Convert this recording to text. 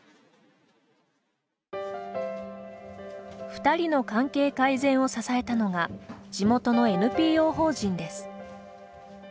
２人の関係改善を支えたのが地元のＮＰＯ法人です。